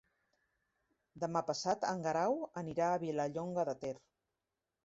Demà passat en Guerau anirà a Vilallonga de Ter.